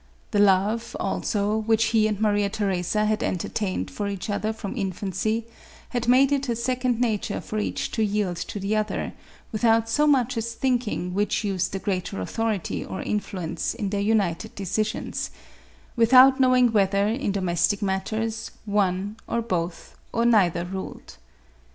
The love, also, which he and Ma ria Theresa had entertained for each other from infancy, had made it a second nature for each to yield to the other, without so much as thinking which used the greater authority or influence in their united decisions — without knowing whether, in domestic matters, one or both or neither ruled.